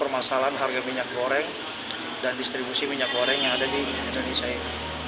permasalahan harga minyak goreng dan distribusi minyak goreng yang ada di indonesia ini